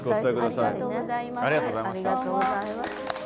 ありがとうございます。